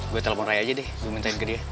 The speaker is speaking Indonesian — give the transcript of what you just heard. gue telepon raya aja deh gue minta ke dia